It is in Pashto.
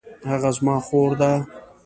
هغه زما خور ده